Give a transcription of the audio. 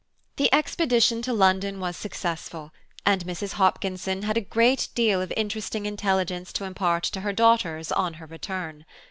The expedition to London was successful, and Mrs. Hopkinson had a great deal of interesting intelligence to impart to her daughters on her return.